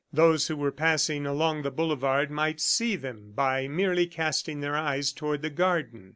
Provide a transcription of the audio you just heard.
Those who were passing along the boulevard might see them by merely casting their eyes toward the garden.